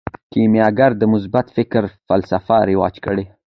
کیمیاګر د مثبت فکر فلسفه رواج کړه.